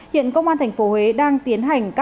hiện công an thành phố huế đang tiến hành